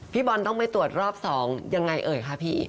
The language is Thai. พี่บอลต้องไปตรวจรอบ๒ยังไงเอ่ยคะพี่